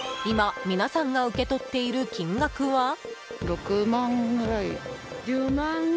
今、皆さんが受け取っている金額は？